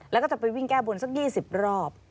แล้วก็จะไปวิ่งแก้บนสัก๒๐รอบ